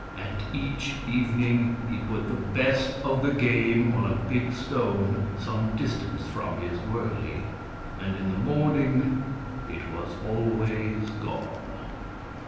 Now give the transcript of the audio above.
And each evening he put the best of the game on a big stone some distance from his wurley, and in the morning it was always gone.